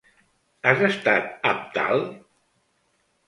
Has estat amb tal?